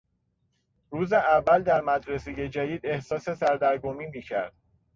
روز اول در مدرسهی جدید احساس سردرگمی میکرد.